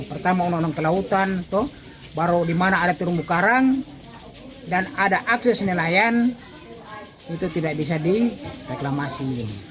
pertama undang undang kelautan baru di mana ada terumbu karang dan ada akses nelayan itu tidak bisa direklamasi